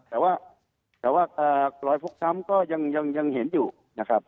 แต่ว่าลอยฟุกซ้ำก็ยังเห็นอยู่นะครับ